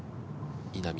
稲見。